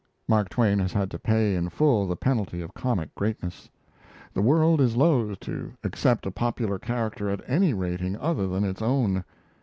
Mark Twain has had to pay in full the penalty of comic greatness. The world is loth to accept a popular character at any rating other than its own.